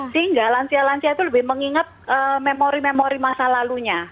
sehingga lansia lansia itu lebih mengingat memori memori masa lalunya